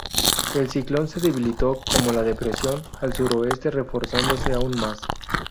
El ciclón se debilitó como la depresión, al suroeste reforzarse aún más.